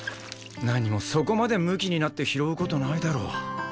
何もそこまでムキになって拾う事ないだろ。